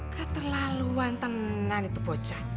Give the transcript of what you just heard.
keterlaluan tenang itu pocah